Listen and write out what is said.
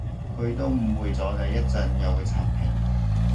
佢都誤會咗你，一陣又會刷屏